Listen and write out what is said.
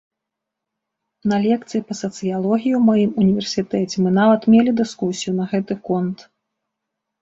На лекцыі па сацыялогіі ў маім універсітэце мы нават мелі дыскусію на гэты конт.